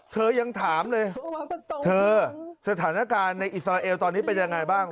เธอยังถามเลยสถานการณ์ในอิสราเอลเป็นยังไงบ้าง